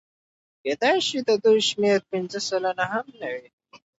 کېدای شي د دوی شمېره پنځه سلنه هم نه وي